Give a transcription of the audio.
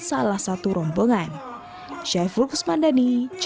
salah satu rombongan